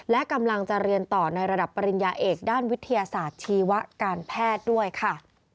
และกำลังจะเรียนต่อในระดับปริญญาเอกด้านวิทยาศาสตร์ชีวการแพทย์ด้วยค่ะ